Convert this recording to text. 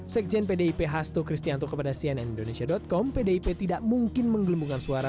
sekjen pdip hasto kristianto kepada cnn indonesia com pdip tidak mungkin menggelembungkan suara